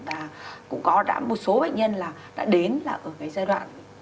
và cũng có đã một số bệnh nhân là đã đến là ở cái giai đoạn